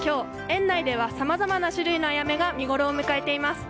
園内では様々な種類のアヤメが見ごろを迎えています。